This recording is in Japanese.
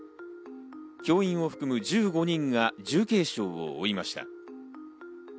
教員を含む１５人が重軽傷を負いました。